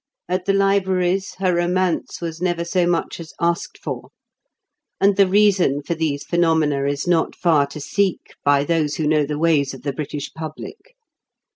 At the libraries, her romance was never so much as asked for. And the reason for these phenomena is not far to seek by those who know the ways of the British public.